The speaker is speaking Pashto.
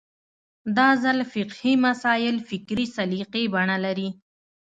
دا ځل فقهي تمایل فکري سلیقې بڼه لري